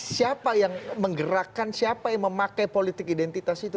siapa yang menggerakkan siapa yang memakai politik identitas itu